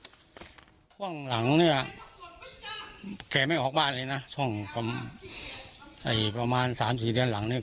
ช่วงหลังเนี่ยแกไม่ออกบ้านเลยนะช่วงประมาณสามสี่เดือนหลังเนี่ย